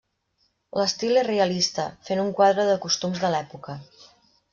L'estil és realista, fent un quadre de costums de l'època.